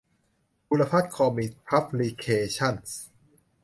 บุรพัฒน์ คอมิคส์ พับลิเคชันส์